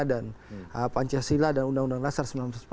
dan pancasila dan undang undang nasar seribu sembilan ratus empat puluh lima